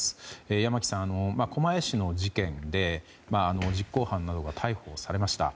山木さん、狛江市の事件で実行犯などが逮捕されました。